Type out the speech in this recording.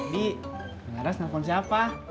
bi mbak lara siapa